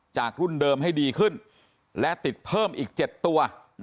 จากรุ่นเดิมให้ดีขึ้นและติดเพิ่มอีก๗ตัว